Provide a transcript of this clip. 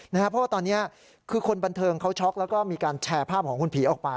เพราะว่าตอนนี้คือคนบันเทิงเขาช็อกแล้วก็มีการแชร์ภาพของคุณผีออกไป